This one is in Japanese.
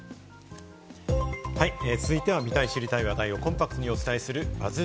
続いては見たい知りたい話題をコンパクトにお伝えするＢＵＺＺ